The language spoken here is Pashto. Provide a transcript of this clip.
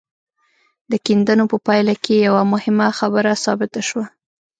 د کيندنو په پايله کې يوه مهمه خبره ثابته شوه.